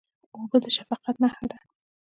اوبه د شفقت نښه ده.